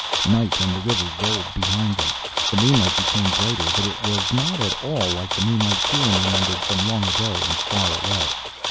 Night and the river rolled behind them. The moonlight became brighter, but it was not at all like the moonlight Kieran remembered from long ago and far away.